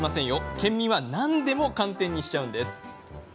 県民は何でも寒天にしちゃうんです。